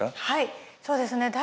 はいそうですね